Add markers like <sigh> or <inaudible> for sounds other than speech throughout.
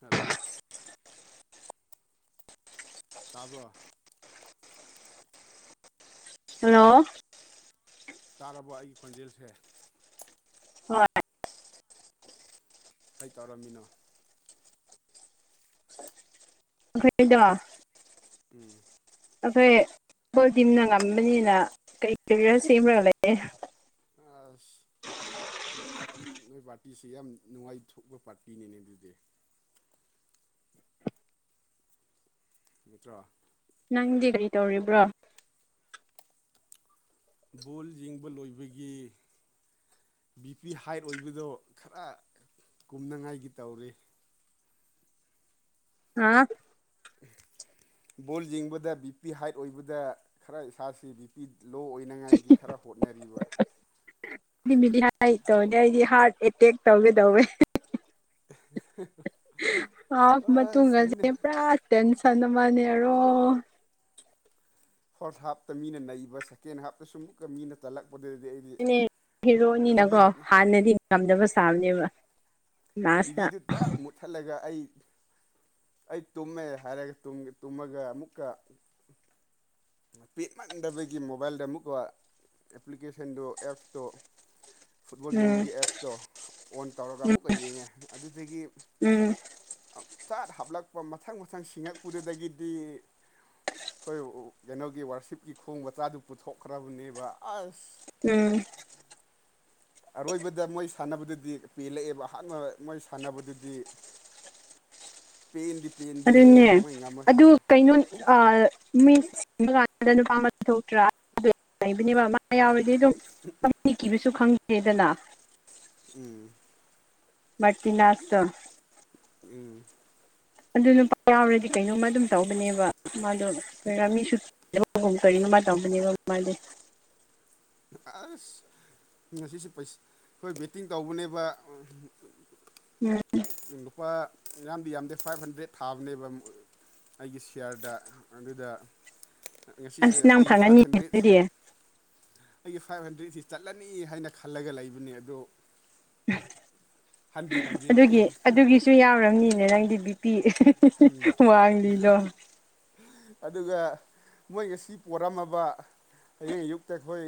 hello ꯇꯥꯕ꯭ꯔꯣ hello ꯇꯥꯔꯕ ꯑꯩꯒꯤ ꯈꯣꯟꯖꯦꯜꯁꯦ ꯍꯣꯏ ꯀ ꯇꯧꯔꯝꯃꯤꯅꯣ ꯑꯩꯈꯣꯏꯗꯣ ꯎꯝ ꯑꯩꯈꯣꯏ ꯐꯨꯠꯕꯣꯜ ꯇꯤꯝꯅ ꯉꯝꯕꯅꯤꯅ ꯀꯩ ꯀꯦꯔꯤꯌꯔ ꯁꯦꯝꯕꯒ ꯂꯩꯌꯦ ꯑꯁ ꯅꯣꯏ ꯄꯥꯔꯇꯤꯁꯤ ꯌꯥꯝ ꯅꯨꯡꯉꯥꯏꯊꯣꯛꯄ ꯄꯥꯔꯇꯤꯅꯤꯅꯦ ꯑꯗꯨꯗꯤ ꯅꯠꯇ꯭ꯔꯣ ꯅꯪꯗꯤ ꯀꯔꯤ ꯇꯧꯔꯤꯕ꯭ꯔꯣ ꯕꯣꯜ ꯌꯦꯡꯕ ꯂꯣꯏꯕꯒꯤ ꯕꯤ ꯄꯤ ꯍꯥꯏꯠ ꯑꯣꯏꯕꯗꯣ ꯈꯔ ꯀꯨꯝꯅꯉꯥꯏꯒꯤ ꯇꯧꯔꯦ ꯍꯥ ꯕꯣꯜ ꯌꯦꯡꯕꯗ ꯕꯤ ꯄꯤ ꯍꯥꯏꯠ ꯑꯣꯏꯕꯗ ꯈꯔ ꯏꯁꯁꯤ ꯕꯤ ꯄꯤ ꯂꯣ ꯑꯣꯏ ꯊꯅꯉꯥꯏꯒꯤ ꯈꯔ ꯍꯣꯠꯅꯔꯤꯕ ꯗꯤ ꯃꯤꯗꯤ ꯍꯥꯏ ꯇꯧꯅꯦ ꯑꯩꯗꯤ ꯍꯥꯔꯠ ꯑꯦꯇꯦꯛ ꯇꯧꯒꯦꯗꯧꯋꯦ ꯍꯥ ꯑꯁ ꯃꯤꯅ ꯃꯇꯨꯡꯒꯁꯦ ꯄꯨꯔꯥ ꯇꯦꯟꯁꯟ ꯑꯃꯅꯦꯔꯣ ꯐꯥꯔꯠ ꯍꯥꯞꯇ ꯃꯤꯅ ꯅꯩꯕ ꯁꯦꯀꯦꯟ ꯍꯥꯞꯇꯁꯨ ꯑꯃꯨꯛꯀ ꯃꯤꯅ ꯇꯜꯂꯛꯄꯗꯨꯗꯤ ꯑꯩ ꯅꯦ ꯍꯦꯔꯣꯏꯅꯤꯅꯀꯣ ꯍꯥꯟꯅꯗꯤ ꯉꯝꯗꯕ ꯁꯥꯕꯅꯦꯕ ꯂꯥꯁꯇ ꯇꯤꯕꯤꯤꯗꯨꯠꯇ ꯃꯊꯠꯂꯒ ꯑꯩ ꯑꯩ ꯇꯨꯝꯃꯦ ꯍꯥꯏꯔꯒ ꯇꯨꯝꯃꯒ ꯑꯃꯨꯛꯀ ꯄꯦꯠꯃꯟꯗꯕꯒꯤ ꯃꯣꯕꯥꯏꯜꯗ ꯑꯃꯨꯛꯀ ꯑꯦꯄ꯭ꯂꯤꯀꯦꯁꯟꯗꯨꯣ ꯑꯦꯞꯇꯣ ꯐꯨꯠꯕꯣꯜ ꯎꯝ ꯌꯦꯡꯕꯒꯤ ꯑꯦꯞꯇꯣ ꯑꯣꯟ ꯇꯧꯔꯒ ꯑꯃꯨꯛꯀ ꯌꯦꯡꯉꯦ ꯑꯗꯨꯗꯒꯤ ꯎꯝ ꯆꯥꯠ ꯍꯥꯞꯂꯛꯄ ꯃꯊꯪ ꯃꯊꯪ ꯁꯤꯡꯉꯛꯄꯗꯨꯗꯒꯤꯗꯤ ꯑꯩꯈꯣꯏ ꯀꯩꯅꯣꯒꯤ ꯋꯥꯔꯁꯤꯞꯀꯤ ꯈꯣꯡ ꯃꯆꯥꯗꯨ ꯄꯨꯊꯣꯛꯈ꯭ꯔꯕꯅꯦꯕ ꯑꯁ ꯎꯝ <inaudible> ꯑꯔꯣꯏꯕꯗ ꯃꯣꯏ ꯁꯥꯟꯅꯕꯗꯨꯗꯤ ꯄꯦꯜꯂꯛꯑꯦꯕ ꯑꯍꯥꯟꯕ ꯃꯣꯏ ꯁꯥꯟꯅꯕꯗꯨꯗꯤ ꯄꯟꯗꯤ ꯑꯗꯨꯅꯦ ꯑꯗꯨ ꯀꯩꯅꯣ ꯃꯤꯁ ꯁꯤꯕ ꯀꯥꯟꯁꯤꯗ ꯅꯨꯄꯥ ꯑꯃ ꯊꯣꯛꯇ꯭ꯔꯥ ꯂꯩꯕꯅꯦꯕ ꯃꯥ ꯌꯥꯎꯔꯗꯤ ꯑꯗꯨꯝ ꯍ ꯆꯪꯅꯤ ꯀꯤꯈꯤꯕꯁꯨ ꯈꯪꯗꯦꯗꯅ ꯎꯝ ꯃꯇꯤ ꯅꯅꯥꯁꯇ ꯎꯝ ꯑꯗꯨ ꯅꯨꯄꯥ ꯌꯥꯎꯔꯗꯤ ꯀꯩꯅꯣꯝꯃ ꯑꯗꯨꯝ ꯇꯧꯕꯅꯦꯕ ꯃꯥꯗꯣꯣꯏ ꯔꯥꯃꯤꯁꯨ ꯕꯒꯨꯝ ꯀꯔꯤꯅꯣ ꯃꯥ ꯇꯧꯕꯅꯦꯕ ꯃꯥꯗꯤ ꯑꯁ ꯉꯁꯤꯁꯦ ꯑꯩꯈꯣꯏ ꯕꯦꯠꯇꯤꯡ ꯇꯧꯕꯅꯦꯕ ꯎꯝ ꯂꯨꯄꯥ ꯑꯌꯥꯝꯗꯤ ꯌꯥꯝꯗꯦ ꯐꯥꯏꯚ ꯍꯟꯗ꯭ꯔꯦꯠ ꯊꯥꯕꯅꯦꯕ ꯑꯩꯒꯤ ꯁꯤꯌꯥꯔꯗ ꯑꯗꯨꯗ ꯉꯁꯤꯁꯦ ꯑꯁ ꯅꯪ ꯑꯩꯒꯤ ꯐꯥꯏꯚ ꯐꯪꯉꯅꯤꯅꯦ ꯍꯟꯗ꯭ꯔꯦꯠꯁꯦ ꯑꯗꯨꯗꯤ ꯑꯩꯒꯤ ꯐꯥꯏꯚ ꯍꯟꯗ꯭ꯔꯦꯠꯁꯤ ꯆꯠꯂꯅꯤ ꯍꯥꯏꯅ ꯈꯜꯂꯒ ꯂꯩꯕꯅꯦ ꯑꯗꯣ ꯍꯟꯗꯤ ꯍꯟꯖꯤꯂꯛꯑꯦ ꯑꯗꯨꯒꯤ ꯑꯗꯨꯒꯤꯁꯨ ꯌꯥꯎꯔꯝꯅꯤꯅꯦ ꯅꯪꯗꯤ ꯕꯤ ꯄꯤ ꯎꯝ ꯋꯥꯡꯂꯤꯗꯣ ꯑꯗꯨꯒ ꯃꯣꯏ ꯉꯁꯤ ꯄꯣꯔꯝꯃꯕ ꯍꯌꯦꯡ ꯑꯌꯨꯛ ꯇ ꯈꯣꯏ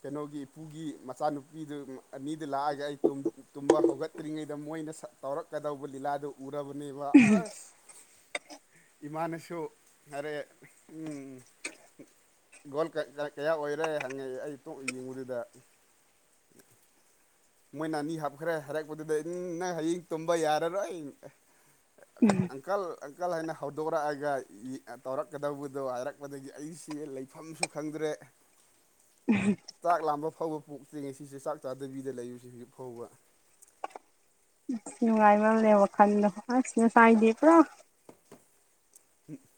ꯀꯩꯅꯣꯒꯤ ꯄꯨꯒꯤ ꯃꯆꯥꯅꯨꯄꯤꯗꯨ ꯑꯅꯤꯗꯨ ꯂꯥꯛꯑꯒ ꯑꯩ ꯇꯨꯝ ꯇꯨꯝꯕ ꯍꯧꯒꯠꯇ꯭ꯔꯤꯉꯩꯗ ꯃꯣꯏꯅ ꯁꯥ ꯇꯧꯔꯛꯀꯗꯧꯕ ꯂꯤꯂꯥꯗꯨ ꯎꯔꯕꯅꯤꯕ ꯑꯁ ꯏꯃꯥꯅꯁꯨ ꯍꯥꯏꯔꯦ ꯎꯝ ꯒꯣꯜ ꯀꯠꯇꯔ ꯀꯌꯥ ꯑꯣꯏꯔꯦ ꯍꯪꯉꯛꯑꯦ ꯑꯩ ꯇꯣꯛ ꯌꯦꯡꯉꯨꯗꯨꯗ ꯃꯣꯏꯅ ꯑꯅꯤ ꯍꯥꯞꯈ꯭ꯔꯦ ꯍꯥꯏꯔꯛꯄꯗꯨꯗꯩ ꯎꯝ ꯅꯪ ꯍꯌꯤꯡ ꯇꯨꯝꯕ ꯌꯥꯔꯔꯣꯏ ꯑ ꯀꯩ ꯑꯪꯀꯜ ꯑꯪꯀꯜ ꯍꯥꯏꯅ ꯍꯧꯗꯣꯔꯛꯑꯒ ꯏ ꯇꯧꯔꯛꯀꯗꯧꯕꯗꯣ ꯍꯥꯏꯔꯛꯄꯗꯒꯤ ꯑꯩꯁꯤ ꯂꯩ ꯐꯝꯁꯨ ꯈꯪꯗ꯭ꯔꯦ ꯎꯝ ꯆꯥꯛ ꯂꯥꯝꯕ ꯐꯥꯎꯕ ꯄꯣꯛꯇꯔꯤ ꯉꯁꯤꯁꯦ ꯆꯥꯛ ꯆꯥꯗꯕꯤꯗ ꯂꯩꯌꯨꯁꯤ ꯍꯧꯖꯤꯛ ꯐꯥꯎꯕ ꯎꯝ ꯅꯨꯡꯉꯥꯏꯃꯜꯂꯦ ꯋꯥꯈꯜꯗꯣ ꯑꯁ ꯉꯁꯥꯏꯗꯤ ꯄꯨꯔꯥ <unintelligible>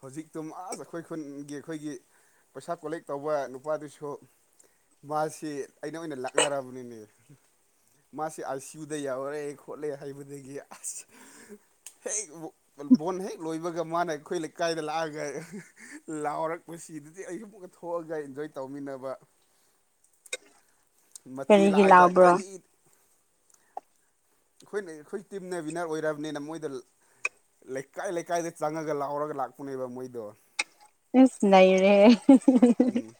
ꯍꯧꯖꯤꯛꯇꯨ ꯑꯁ ꯑꯩꯈꯣꯏ ꯈꯨꯟꯒꯤ ꯑꯩꯈꯣꯏꯒꯤ ꯄꯩꯁꯥ ꯀꯣꯂꯦꯛ ꯇꯧꯕ ꯅꯨꯄꯥꯗꯨꯁꯨ ꯃꯥꯁꯤ ꯑꯩꯅ ꯑꯣꯏꯅ ꯂꯥꯛꯅꯔꯕꯅꯤꯃꯤ ꯃꯥꯁꯤ ꯑꯥꯏ ꯁꯤꯌꯨ ꯌꯥꯎꯔꯦ ꯈꯣꯠꯂꯦ ꯍꯥꯏꯕꯗꯒꯤ ꯑꯁ ꯍꯦꯛ ꯕꯣꯟ ꯍꯦꯛ ꯂꯣꯏꯕꯒ ꯃꯥꯅ ꯑꯩꯈꯣꯏ ꯂꯩ ꯀꯥꯏꯗ ꯂꯥꯛꯑꯒ ꯂꯥꯎꯔꯛꯄꯁꯤꯗꯗꯤ ꯑꯩꯁꯨꯨ ꯑꯃꯨꯛꯀ ꯊꯣꯛꯑꯒ ꯏꯟꯖꯣꯏ ꯇꯧꯃꯤꯟꯅꯕ ꯃꯆꯦ ꯀꯔꯤꯒꯤ ꯂꯥꯛꯑꯒ ꯂꯥꯎꯕ꯭ꯔꯣ ꯀꯔꯤ ꯑꯩꯈꯣꯏꯅ ꯑꯩꯈꯣꯏ ꯇꯤꯝꯅ ꯋꯤꯟꯅꯔ ꯑꯣꯏꯔꯕꯅꯤꯅ ꯃꯣꯏꯗ ꯂꯩꯀꯥꯏ ꯂꯩꯀꯥꯏꯗ ꯆꯪꯉꯒ ꯂꯥꯎꯔꯒ ꯂꯥꯛꯄꯅꯦꯕ ꯃꯣꯏꯗꯣ ꯏꯁ ꯅꯩꯔꯦꯍꯦ ꯎꯝ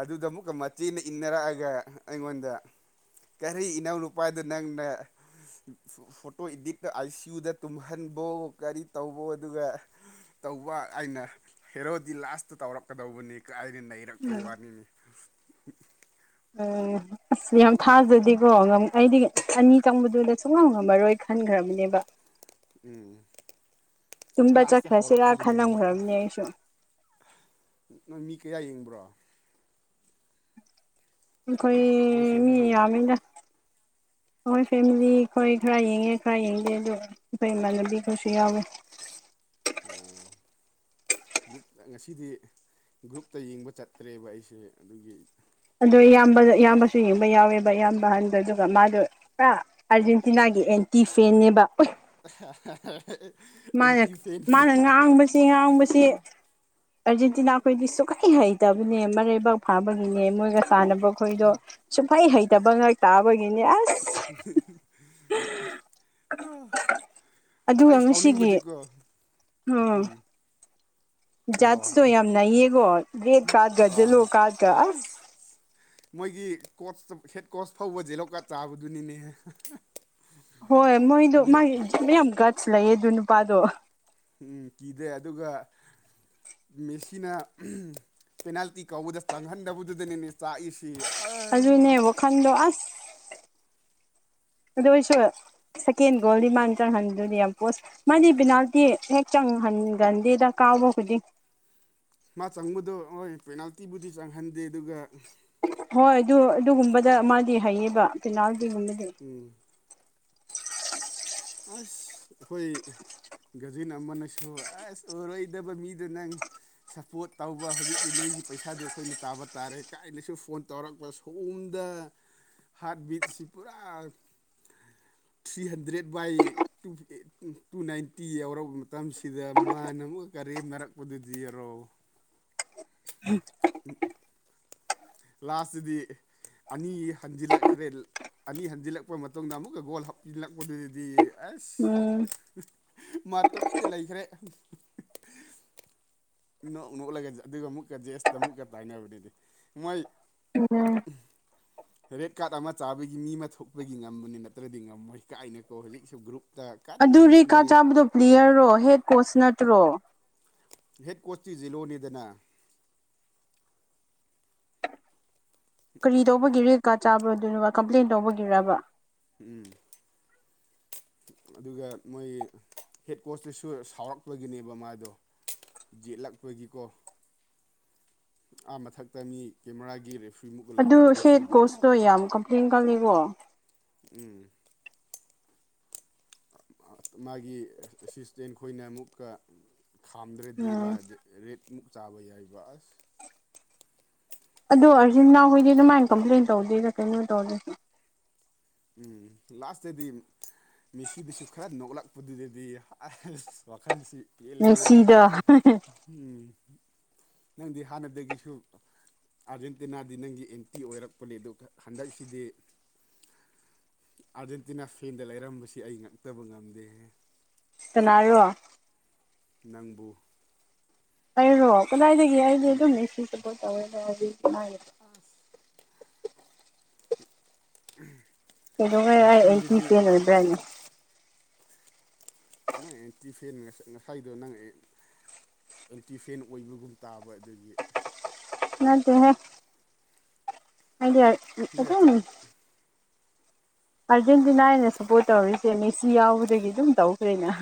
ꯑꯗꯨꯗ ꯑꯃꯨꯛꯀ ꯃꯆꯦꯅ ꯏꯟꯅꯔꯛꯑꯒ ꯑꯩꯉꯣꯟꯗ ꯀꯔꯤ ꯏꯅꯥꯎꯅꯨꯄꯥꯗ ꯅꯪꯅ ꯐꯣꯇꯣ ꯏꯗꯤꯠꯇ ꯑꯥꯏ ꯁꯤ ꯌꯨꯗ ꯇꯨꯝꯍꯟꯕꯣ ꯀꯔꯤ ꯇꯧꯕꯣ ꯑꯗꯨꯒ ꯇꯧꯕ ꯑꯩꯅ ꯍꯦꯔꯣꯗꯤ ꯂꯥꯁꯇ ꯇꯧꯔꯛꯀꯗꯧꯕꯅꯤ ꯀ ꯍꯥꯏꯗꯤ ꯅꯩꯔꯦ ꯎꯝ ꯔꯛꯄꯩ ꯋꯥꯅꯤꯅꯤ ꯑꯣ ꯑꯁ ꯌꯥꯝ ꯊꯥꯖꯗꯤꯀꯣ ꯉꯝ ꯑꯩꯗꯤ ꯑꯅꯤ ꯆꯪꯕꯗꯨꯗ ꯁꯨꯡꯉꯝ ꯉꯝꯃꯔꯣꯏ ꯈꯟꯒ꯭ꯔꯕꯅꯦꯕ ꯎꯝ ꯇꯨꯝꯕ ꯂꯥꯁꯇ ꯆꯠꯈ꯭ꯔꯁꯤꯔꯥ ꯍꯧꯔꯛꯄꯗꯨꯗꯅꯤꯅꯦ ꯈꯜꯂꯝꯈ꯭ꯔꯕꯅꯦ ꯑꯩꯁꯨ ꯅꯣꯏ ꯃꯤ ꯀꯌꯥ ꯌꯦꯡꯕ꯭ꯔꯣ ꯅꯣꯏ ꯑꯩꯈꯣꯏ ꯃꯤ ꯐꯦꯃꯤꯂꯤ ꯌꯥꯝꯃꯤꯗ ꯑꯩꯈꯣꯏꯁꯦ ꯃꯤ ꯑꯩꯈꯣꯏ ꯈꯔ ꯌꯦꯡꯉꯦ ꯈꯔ ꯌꯦꯡꯗꯦ ꯑꯗꯨ ꯑꯩꯈꯣꯏ ꯏꯃꯥꯟꯅꯕꯤ ꯈꯔꯁꯨ ꯌꯥꯎꯋꯦ <unintelligible> ꯒ꯭ꯔꯨꯞꯇ ꯉꯁꯤꯗꯤ ꯒ꯭ꯔꯨꯞꯇ ꯌꯦꯡꯕ ꯆꯠꯇ꯭ꯔꯦꯕ ꯑꯩꯁꯦ ꯑꯗꯨꯒꯤ ꯑꯗꯨ ꯏꯌꯥꯝꯕ ꯏꯌꯥꯝꯕꯁꯨ ꯌꯦꯡꯕ ꯌꯥꯎꯋꯦꯕ ꯏꯌꯥꯝꯕ ꯑꯍꯟꯗ ꯑꯗꯨꯒ ꯃꯥꯗꯣ ꯄꯨꯔꯥ ꯑꯥꯔꯖꯦꯟꯇꯤꯅꯥꯒꯤ ꯑꯦꯟꯇꯤ ꯐꯦꯟꯅꯦꯕ <unintelligible> ꯃꯅꯥ ꯑꯦꯟꯇꯤ ꯐꯦꯟꯅ ꯃꯅꯥ ꯉꯥꯡꯕꯁꯤ ꯉꯥꯡꯕꯁꯤ ꯑꯥꯔꯖꯦꯟꯇꯤꯅꯥꯈꯣꯏꯗꯤ ꯁꯨꯛꯍꯩ ꯍꯩꯇꯕꯅꯦ ꯃꯔꯩꯕꯥꯛ ꯐꯥꯕꯒꯨꯅꯦ ꯃꯣꯏꯒ ꯁꯥꯟꯅꯕ ꯈꯣꯏꯗꯣ ꯁꯨꯡꯍꯩ ꯍꯩꯇꯕ ꯉꯥꯛ ꯇꯥꯕꯒꯤꯅꯤ ꯑꯁ ꯑꯗꯨꯒ <unintelligible> ꯉꯁꯤꯒꯤ ꯕꯤꯡꯕꯗꯤꯀꯣ ꯎꯝ ꯍꯥꯏꯔꯛꯑꯣ ꯖꯥꯠꯁꯇꯣ ꯌꯥꯝ ꯅꯩꯌꯦꯀꯣ ꯔꯦꯠ ꯀꯔꯥꯠꯀ ꯖꯦꯂꯣ ꯀꯔꯥꯠꯀ ꯑꯁ ꯃꯣꯏꯒꯤ ꯀꯣꯆꯇꯣ ꯍꯦꯠ ꯀꯣꯆ ꯐꯥꯎꯕ ꯖꯦꯂꯣ ꯀꯔꯥꯠ ꯆꯥꯕꯗꯨꯅꯤꯅꯦ ꯍꯣꯏ ꯃꯣꯏꯗꯣ ꯃꯥꯒꯤ ꯃꯌꯥꯝ ꯒꯁ ꯂꯩꯌꯦ ꯑꯗꯨ ꯅꯨꯄꯥꯗꯣ ꯎꯝ ꯀꯤꯗꯦ ꯑꯗꯨꯒ ꯃꯦꯁꯤꯅ ꯎꯝ ꯄꯦꯅꯥꯜꯇꯤ ꯀꯥꯎꯕꯗ ꯆꯪꯍꯟꯗꯕꯗꯨꯗꯅꯤꯅꯦ ꯆꯥꯛꯏꯁꯤ ꯑꯗꯨꯅꯦ ꯑꯔꯣ ꯋꯥꯈꯟꯗꯣ ꯑꯁ ꯑꯗꯨꯑꯣꯏꯁꯨ ꯁꯦꯀꯦꯟ ꯒꯣꯜꯗꯤ ꯃꯥꯟꯅ ꯆ꯭ꯔ ꯍꯟꯗꯨꯗꯤ ꯌꯥꯝ ꯄꯣꯁ ꯃꯥꯗꯤ ꯕꯤꯅꯥꯜꯇꯤ ꯍꯦꯛ ꯆꯪꯍꯟꯒꯟꯗꯦꯗ ꯀꯥꯎꯕ ꯈꯨꯗꯤꯡ ꯃꯥ ꯆꯪꯕꯗꯣ ꯍꯣꯏ ꯄꯦꯅꯥꯜꯇꯤꯕꯨꯗꯤ ꯆꯪꯍꯟꯗꯦ ꯑꯗꯨꯒ ꯍꯣꯏ ꯑꯗꯨ ꯑꯗꯨꯒꯨꯝꯕꯗ ꯃꯥꯗꯤ ꯍꯩꯌꯦꯕ ꯄꯦꯅꯥꯜꯇꯤꯒꯨꯝꯕꯗꯤ ꯎꯝ ꯑꯁ ꯑꯩꯈꯣꯏ ꯒꯖꯤꯟ ꯑꯃꯅꯁꯨ ꯑꯁ ꯎꯔꯣꯏꯗꯕ ꯃꯤꯗ ꯅꯪ ꯁꯞꯄꯣꯔꯠ ꯇꯧꯕ ꯍꯧꯖꯤꯛꯇꯤ ꯅꯪꯒꯤ ꯄꯩꯁꯥꯗꯨ ꯑꯩꯈꯣꯏꯅ ꯆꯥꯕ ꯇꯥꯔꯦ ꯀꯥꯏꯅꯁꯨ ꯐꯣꯟ ꯇꯧꯔꯛꯄ ꯁꯑꯣꯣꯝꯗ ꯍꯥꯔꯠ ꯕꯤꯠꯁꯤ ꯄꯨꯔꯥ ꯊ꯭ꯔꯤ ꯍꯟꯗ꯭ꯔꯦꯠ ꯕꯥꯏ ꯨ ꯇꯨ ꯅꯥꯏꯟꯇꯤ ꯌꯥꯎꯔꯛꯄ ꯃꯇꯝꯁꯤꯗ ꯃꯥꯅ ꯑꯃꯨꯛꯀ ꯀꯔꯦꯝꯅꯔꯛꯄꯗꯨꯗꯤ ꯌꯥꯔꯣ ꯎꯝ ꯎꯝ ꯂꯥꯁꯇꯗꯤ ꯑꯅꯤ ꯍꯟꯖꯤꯜꯂꯛꯈ꯭ꯔꯦ ꯑꯅꯤ ꯍꯟꯖꯤꯜꯂꯛꯄ ꯃꯇꯨꯡꯗ ꯑꯃꯨꯛꯀ ꯒꯣꯜ ꯍꯥꯞꯆꯤꯜꯂꯛꯄꯗꯨꯗꯗꯤ ꯑꯁ ꯎꯝ ꯃꯥ ꯇꯣꯕꯤꯗ ꯂꯩꯈ꯭ꯔꯦ ꯅꯣꯛ ꯅꯣꯛꯂꯒ ꯑꯗꯨꯒ ꯑꯃꯨꯛꯀ ꯖꯦꯁꯇ ꯃꯨꯛꯀ ꯇꯥꯏꯅꯕꯅꯤꯗꯤ ꯃꯣꯏ ꯎꯝ ꯔꯦꯠ ꯀꯥꯔꯗ ꯑꯃ ꯆꯥꯕꯒꯤ ꯃꯤ ꯑꯃ ꯊꯣꯛꯄꯒꯤ ꯉꯝꯕꯅꯤ ꯅꯠꯇ꯭ꯔꯗꯤ ꯉꯝꯃꯣꯏ ꯀꯥꯏꯅꯀꯣ ꯍꯧꯖꯤꯛꯁꯨ ꯒ꯭ꯔꯨꯞ ꯑꯗꯨ ꯔꯦꯀꯥ ꯆꯥꯕꯗꯣ ꯄ꯭꯭ꯂꯦꯌꯔꯔꯣ ꯍꯦꯠ ꯀꯣꯆ ꯅꯠꯇ꯭ꯔꯣ ꯍꯦꯠ ꯀꯣꯁꯇꯤ ꯖꯤꯂꯣꯅꯤꯗꯅ ꯀꯔꯤ ꯇꯧꯕꯒꯤꯔꯦꯀꯥ ꯆꯥꯕ꯭ꯔꯣꯗꯨꯅꯣ ꯀꯝꯄ꯭ꯂꯦꯟ ꯇꯧꯕꯒꯤꯔꯕ ꯎꯝ ꯑꯗꯨꯒ ꯃꯣꯏ ꯍꯦꯠ ꯀꯣꯆꯇꯁꯨ ꯁꯥꯎꯔꯛꯄꯒꯤꯅꯦꯕ ꯃꯥꯗꯣ ꯌꯦꯠꯂꯛꯄꯒꯤꯀꯣ ꯑ ꯃꯊꯛꯇ ꯃꯤ ꯀꯦꯃꯦꯔꯥꯒꯤ ꯔꯦꯐ꯭ꯔꯤꯃꯨꯛꯀ ꯑꯗꯨ ꯂꯩꯕꯅꯦ ꯍꯦꯠ ꯑꯩꯈꯣꯏꯗꯨ ꯀꯣꯁꯇꯣ ꯌꯥꯝ ꯀꯝꯄ꯭ꯂꯦꯟ ꯀꯜꯂꯤꯀꯣ ꯎꯝ ꯃꯥꯒꯤ ꯑꯦꯁꯤꯁꯇꯦꯟ ꯈꯣꯏꯅ ꯑꯃꯨꯛꯀ ꯈꯥꯝꯗ꯭ꯔꯗꯤ ꯎꯝ ꯃꯥꯗꯤ ꯔꯦꯠꯃꯨꯛ ꯆꯥꯕ ꯌꯥꯏꯕ ꯑꯁ ꯑꯗꯣ ꯑꯥꯔꯖꯦꯟꯇꯤꯅꯥ ꯍꯣꯏꯗꯤ ꯑꯗꯨꯃꯥꯏꯅ ꯀꯝꯄ꯭ꯂꯦꯟ ꯇꯧꯗꯦꯗ ꯀꯩꯅꯣ ꯇꯧꯔꯦꯁꯤ ꯎꯝ ꯂꯥꯁꯇꯗꯤ ꯃꯦꯁꯤꯗꯨꯁꯨ ꯈꯔ ꯅꯣꯛꯂꯛꯄꯗꯨꯗꯗꯤ ꯋꯥꯈꯜꯁꯤ ꯄꯦꯜꯂꯦꯍꯦ ꯃꯦꯁꯤ ꯗꯣ ꯎꯝ ꯅꯪꯗꯤ ꯍꯥꯟꯅꯗꯒꯤꯁꯨ ꯑꯥꯔꯖꯦꯟꯇꯤꯅꯥꯗꯤ ꯅꯪꯒꯤ ꯑꯦꯟꯇꯤ ꯑꯣꯏꯔꯛꯄꯅꯦ ꯑꯗꯨꯒ ꯍꯟꯗꯛꯁꯤꯗꯤ ꯑꯥꯔꯖꯦꯟꯇꯤꯅꯥ ꯐꯦꯟꯗ ꯂꯩꯔꯝꯕꯁꯤ ꯑꯩ ꯉꯛꯇꯕ ꯉꯝꯗꯦ ꯍꯦ ꯀꯥꯅꯥꯔꯣ ꯅꯪꯕꯨ ꯑꯩꯔꯣ ꯀꯗꯥꯏꯗꯒꯤ ꯑꯩꯗꯤ ꯎꯝ ꯑꯗꯨꯝ ꯁꯄꯣꯔꯠ ꯇꯧꯋꯦꯕꯥ ꯀꯗꯥꯏ ꯗꯒꯤ ꯑ <unintelligible> ꯀꯩꯗꯣꯛꯒꯩ ꯑꯩ ꯑꯦꯟꯇꯤ ꯐꯦꯟ ꯑꯣꯏꯕ꯭ꯔꯥꯅꯦ ꯅꯪ ꯑꯦꯟꯇꯤ ꯐꯦꯟ ꯉꯁ ꯉꯁꯥꯏꯗꯣ ꯅꯪ ꯑꯦꯟꯇꯤ ꯐꯦꯟ ꯑꯣꯏꯕꯒꯨꯝ ꯇꯥꯕ ꯑꯗꯒꯤ ꯅꯠꯇꯦ ꯍꯦ ꯑꯗꯤ ꯅꯣꯏ ꯑꯗꯨꯝ ꯑꯥꯔꯖꯦꯟꯇꯤꯅꯥ ꯑꯩꯅꯥ ꯁꯞꯄꯣꯔꯠ ꯇꯧꯔꯤꯁꯦ ꯃꯦꯁꯤ ꯌꯥꯎꯕꯗꯒꯤ ꯑꯗꯨꯝ ꯇꯧꯈ꯭ꯔꯦꯅ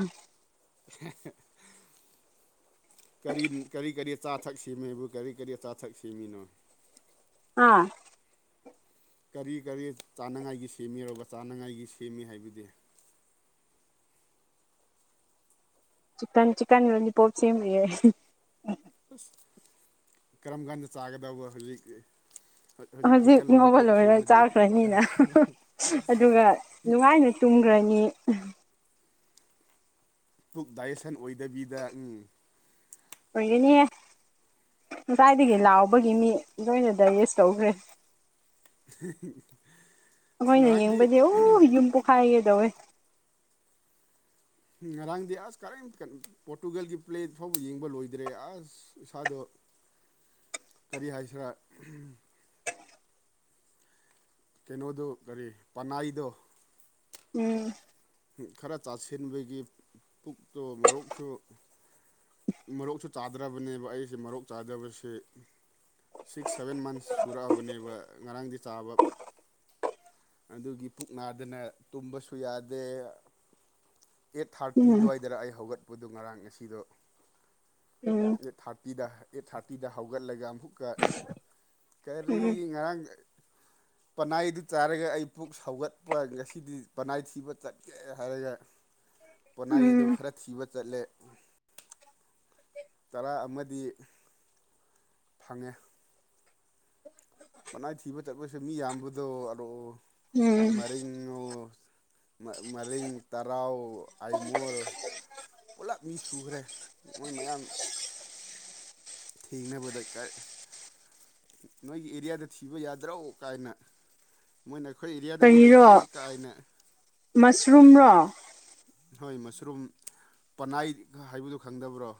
ꯀꯔꯤ ꯀꯔꯤ ꯀꯔꯤ ꯑꯆꯥꯊꯛ ꯁꯤꯃꯦꯕꯨ ꯀꯔꯤ ꯀꯔꯤ ꯑꯆꯥꯊꯛ ꯁꯤꯃꯤꯅꯣ ꯍꯥꯥ ꯀꯔꯤ ꯀꯔꯤ ꯆꯥꯅꯉꯥꯏꯒꯤ ꯁꯦꯝꯃꯤꯔꯔꯕ ꯆꯥꯅꯉꯥꯏꯒꯤ ꯁꯦꯝꯃꯤ ꯍꯥꯏꯕꯗꯤ ꯆꯤꯛꯀꯟ ꯆꯤꯛꯀꯟ ꯂꯣꯂꯤꯄꯣꯞ ꯁꯦꯝꯃꯤ ꯌꯦ ꯎꯁ ꯀꯔꯝ ꯀꯥꯟꯗ ꯆꯥꯒꯗꯕ ꯍꯧꯖꯤꯛ ꯍꯧꯖꯤꯛ ꯆꯤꯛꯀꯟ ꯉꯧꯕ ꯂꯣꯂꯤꯄꯣꯞ ꯂꯣꯏꯔ ꯁꯦꯝꯃꯗꯤ ꯆꯥꯈ꯭ꯔꯅꯤꯅ ꯑꯗꯨꯒ ꯅꯨꯡꯉꯥꯏꯅ ꯇꯨꯝꯒ꯭ꯔꯅꯤ ꯄꯨꯛ ꯗꯥꯏꯌꯦꯁꯟ ꯑꯣꯏꯗꯕꯤꯗ ꯎꯝ ꯑꯣꯏꯌꯦꯅꯦ ꯉꯥꯁꯥꯏꯗꯒꯤ ꯂꯧꯕꯒꯤ ꯃꯤ ꯂꯣꯏꯅ ꯗꯥꯏꯖꯦꯁ ꯇꯧꯈ꯭ꯔꯦ <unintelligible> ꯑꯩꯈꯣꯏꯅ ꯉꯔꯥꯡꯗꯤ ꯌꯦꯡꯕꯗꯤ ꯑꯣ ꯌꯨꯝ ꯄꯣꯛꯈꯥꯏꯒꯦ ꯗꯧꯋꯦ ꯉꯔꯥꯡꯗꯤ ꯑꯁ ꯀꯔꯤꯝꯇ ꯄꯣꯔꯇꯨꯒꯜꯒꯤ ꯄꯦꯜ ꯐꯥꯎꯕ ꯌꯦꯡꯕ ꯂꯣꯏꯗ꯭ꯔꯦ ꯑꯁ ꯏꯁꯥꯗꯣ ꯀꯔꯤ ꯍꯥꯏꯁꯤꯔꯥ ꯀꯩꯅꯣꯗꯣ ꯀꯔꯤ ꯄꯅꯥꯏꯗꯣ ꯎꯝ ꯈꯔ ꯆꯥꯁꯤꯟꯕꯒꯤ ꯄꯨꯛꯇꯣ ꯃꯣꯔꯣꯛꯁꯨ ꯃꯔꯣꯛꯁꯨ ꯆꯥꯗ꯭ꯔꯕꯅꯦꯕ ꯑꯩꯁꯦ ꯃꯔꯣꯛ ꯆꯥꯗꯕꯁꯤ ꯁꯤꯛꯁ ꯁꯚꯦꯟ ꯃꯟꯁ ꯁꯨꯔꯛꯑꯕꯅꯦꯕ ꯉꯔꯥꯡꯗꯤ ꯆꯥꯕ ꯑꯗꯨꯒꯤ ꯄꯨꯛ ꯅꯥꯗꯅ ꯇꯨꯝꯕꯁꯨ ꯌꯥꯗꯦ ꯑꯩꯠ ꯊꯥꯔꯇꯤ ꯎꯝ ꯑꯗꯨꯋꯥꯏꯗꯔꯥ ꯑꯩ ꯍꯧꯒꯠꯄꯗꯨ ꯉꯔꯥꯡ ꯉꯁꯤꯔꯣ ꯎꯝ ꯊꯥꯔꯇꯤꯗ ꯑꯦꯠ ꯊꯥꯔꯇꯤꯗ ꯍꯧꯒꯠꯂꯒ ꯑꯃꯨꯛꯀ ꯀꯔꯤ ꯎꯝ ꯉꯥꯔꯥꯡ ꯄꯅꯥꯏ ꯑꯗꯨ ꯆꯥꯔꯒ ꯑꯩ ꯄꯨꯛ ꯁꯧꯒꯠꯄ ꯉꯁꯤꯗꯤ ꯄꯅꯥꯏ ꯊꯤꯕ ꯆꯠꯈꯤ ꯍꯥꯏꯔꯒ ꯄꯣꯅꯥꯏꯗꯨ ꯎꯝ ꯈꯔ ꯊꯤꯕ ꯆꯠꯂꯦ ꯆꯔꯥ ꯑꯃꯗꯤ ꯐꯪꯉꯦ ꯄꯅꯥꯏ ꯊꯤꯕ ꯆꯠꯄꯁꯦ ꯃꯤ ꯌꯥꯝꯕꯗꯣ ꯑꯗꯣ ꯎꯝ ꯃꯔꯤꯡꯑꯣ ꯃꯔꯤꯡ ꯇꯔꯥꯎ ꯑꯥꯏꯃꯣꯜ ꯄꯨꯂꯞ ꯃꯤ ꯁꯨꯈ꯭ꯔꯦ ꯃꯣꯏ ꯃꯌꯥꯝ ꯊꯦꯡꯅꯕꯗ ꯀ ꯅꯣꯏꯒꯤ ꯑꯦꯔꯤꯌꯥꯗ ꯊꯤꯕ ꯌꯥꯗ꯭ꯔꯣ ꯀꯥꯏꯅ ꯃꯣꯏꯅ ꯑꯩꯈꯣꯏ ꯑꯦꯔꯤꯌꯥꯗꯗꯤ ꯀꯔꯤꯔꯣ ꯂꯩꯇꯦ ꯀꯥꯏꯅ ꯃꯁꯔꯨꯝꯔꯣ ꯍꯣꯏ ꯃꯁꯔꯨꯝ ꯄꯅꯥꯏ ꯍꯥꯏꯕꯗꯣ ꯈꯪꯗꯕ꯭ꯔꯣ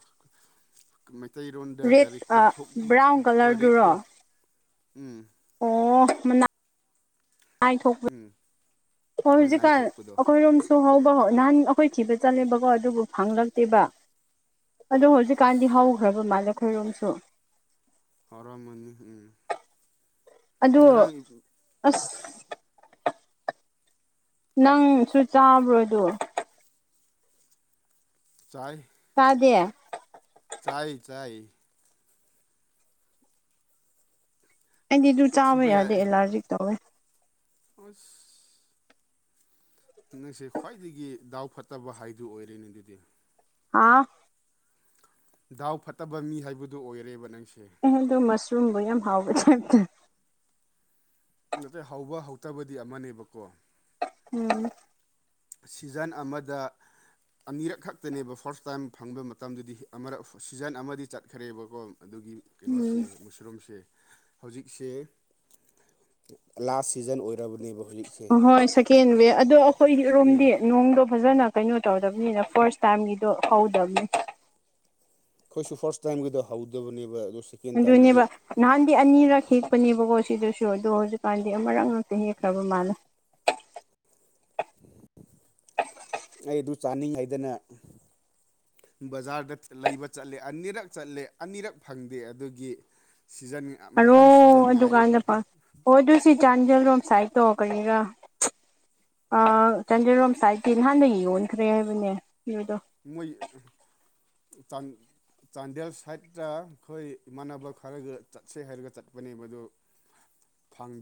ꯃꯩꯇꯩꯔꯣꯟꯗ ꯔꯦꯠ ꯀꯔꯤ ꯑ ꯈꯣꯝꯊꯣꯛꯄꯤ ꯕ꯭ꯔꯥꯎꯟ ꯍꯣꯏ ꯀꯂꯔꯗꯨꯔꯣ ꯔꯦꯠꯇꯣ ꯎꯝ ꯑꯣ ꯃꯅ ꯄ ꯍꯣꯏ ꯎꯝ ꯍꯣꯏ ꯍꯧꯖꯤꯛꯀꯥꯟ ꯅꯥꯏꯊꯣꯛꯄꯗꯣ ꯑꯩꯈꯣꯏꯔꯣꯝꯁꯨ ꯁꯣ ꯍꯥꯎꯕ ꯍꯧ ꯅꯍꯥꯟ ꯑꯩꯈꯣꯏ ꯊꯤꯕ ꯆꯠꯂꯦꯕꯀꯣ ꯑꯗꯨꯕꯨ ꯐꯪꯂꯛꯇꯦꯕ ꯑꯗꯣ ꯑꯁ ꯍꯧꯖꯤꯛꯀꯥꯟꯗꯤ ꯍꯧꯈ꯭ꯔꯕ ꯃꯥꯜꯂꯦꯈꯣꯏꯔꯣꯝꯁꯨ ꯍꯧꯔꯝꯃꯅꯤ ꯎꯝ ꯑꯗꯣ ꯉꯔꯥꯡ ꯑꯁ ꯅꯪꯁꯨ ꯆꯥꯕ꯭ꯔꯣꯗꯣ ꯆꯥꯏ ꯇꯗꯦ ꯆꯥꯏ ꯆꯥꯏ ꯑꯩꯗꯤꯗꯨ ꯆꯥꯕ ꯊꯤꯕ ꯌꯥꯗꯦ ꯑꯦꯂꯔꯖꯤꯛ ꯇꯧꯋꯦ ꯎꯁ ꯅꯪꯁꯦ ꯈ꯭ꯋꯥꯏꯗꯒꯤ ꯗꯥꯎ ꯐꯠꯇꯕ ꯍꯥꯏꯗꯨ ꯑꯣꯏꯔꯦꯅꯦ ꯑꯗꯨꯗꯤ ꯍꯥꯥꯎ ꯗꯥꯎ ꯐꯠꯇꯕ ꯃꯤ ꯍꯥꯏꯕꯗꯨ ꯑꯣꯏꯔꯦꯕ ꯅꯪꯁꯦ ꯗꯣ ꯃꯁꯔꯨꯝꯕꯨ ꯌꯥꯝ ꯍꯥꯎꯕꯩ ꯇꯥꯏꯞ ꯇ ꯅꯠꯇꯦ ꯍꯧꯕ ꯍꯧꯇꯕꯗꯤ ꯑꯃꯅꯦꯕꯀꯣ ꯎꯝ ꯁꯤꯖꯟ ꯑꯃꯗ ꯑꯅꯤꯔꯛ ꯈꯛꯇꯅꯦꯕ ꯐꯥꯔꯁ ꯇꯥꯏꯝ ꯐꯪꯕ ꯃꯇꯝꯗꯨꯗꯤ ꯑꯃꯛ ꯁꯤꯖꯟ ꯑꯃꯗꯤ ꯆꯠꯈ꯭ꯔꯦꯕꯀꯣ ꯑꯗꯨꯒꯤ ꯀꯩꯅꯣꯁꯤ ꯃꯨꯁꯔꯨꯝꯁꯦ ꯍꯧꯖꯤꯛꯁꯦ ꯂꯥꯁ ꯁꯤꯖꯟ ꯑꯣꯏꯔꯕꯅꯦꯕ ꯍꯧꯖꯤꯛꯁꯦ ꯎꯝ ꯍꯣꯏ ꯁꯦꯀꯦꯟ ꯋꯦ ꯑꯗꯣ ꯑꯩꯈꯣꯏꯔꯣꯝꯗꯤ ꯎꯝ ꯅꯣꯡꯗꯣ ꯐꯖꯅ ꯀꯩꯅꯣ ꯇꯧꯗꯕꯅꯤꯅ ꯐꯥꯔꯁ ꯇꯥꯏꯝꯒꯤꯗꯣ ꯍꯧꯗꯕꯅꯤ ꯑꯩꯈꯣꯏꯁꯨ ꯐꯥꯔꯁ ꯇꯥꯏꯝꯒꯗ ꯍꯧꯗꯕꯅꯦꯕ ꯑꯗꯣ ꯁꯦꯀꯦꯟ ꯇꯥꯏꯝꯗꯗꯤ ꯑꯗꯨꯅꯦꯕ ꯅꯍꯥꯟꯗꯤ ꯑꯅꯤꯔꯛ ꯍꯦꯛꯄꯅꯦꯕꯀꯣ ꯁꯤꯗꯁꯨ ꯑꯗꯣ ꯍꯧꯖꯤꯛꯀꯥꯟꯗꯤ ꯑꯃꯨꯔꯛ ꯍ ꯈꯕ ꯃꯥꯅ ꯑꯩ ꯑꯗꯨ ꯆꯥꯅꯤꯡꯉꯥꯏꯗꯅ ꯕꯖꯥꯔꯗ ꯂꯩꯕ ꯆꯠꯂꯦ ꯑꯅꯤꯔꯛ ꯆꯠꯂꯦ ꯑꯅꯤꯔꯛ ꯐꯪꯗꯦ ꯑꯗꯨꯒꯤ ꯁꯤꯖꯟ ꯍꯔꯣ ꯃꯊꯪ ꯁꯤꯖꯟ ꯉꯥꯏꯔꯦ ꯗꯨꯀꯥꯟꯗ ꯄ ꯑꯣ ꯑꯗꯨ ꯁꯤ ꯆꯥꯟꯖꯦꯜꯔꯣꯝ ꯁꯥꯏꯗꯠꯇ ꯀꯅꯤꯔ ꯎꯝ ꯆꯥꯟꯗꯦꯜꯔꯣꯝ ꯁꯥꯏꯠꯇꯤ ꯅꯍꯥꯟꯗꯒꯤ ꯌꯣꯟꯈ꯭ꯔꯦ ꯍꯥꯏꯕꯅꯦ ꯌꯗꯣ ꯃꯣꯏ ꯇꯥꯡ ꯆꯥꯟꯗꯦꯜ ꯁꯥꯏꯠꯇ ꯑꯩꯈꯣꯏ ꯏꯃꯥꯟꯅꯕ ꯈꯔꯒ ꯆꯠꯁꯦ ꯍꯥꯏꯔꯒ ꯆꯠꯄꯅꯦ ꯃꯗꯨ ꯐꯪꯗ